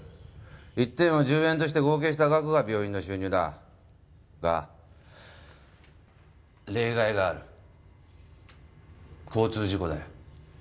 １点１０円の合計が病院の収入だだが例外がある交通事故だよ